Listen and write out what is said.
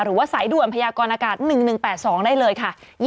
หรือว่าสายด่วนพยากรอากาศ๑๑๘๒ได้เลยค่ะ